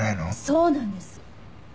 そうなんです！